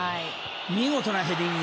見事なヘディング。